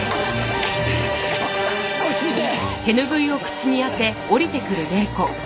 落ち着いて。